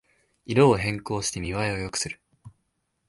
色を変更して見ばえを良くする